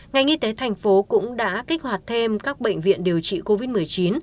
ngành y tế tp cnh cũng đã kích hoạt thêm các bệnh viện điều trị covid một mươi chín